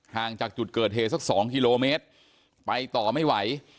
ห่างจากจุดเกิดเหตุสัก๒กิโลเมตรไปต่อไม่ไหว